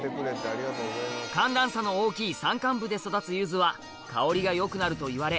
寒暖差の大きい山間部で育つゆずは香りが良くなるといわれ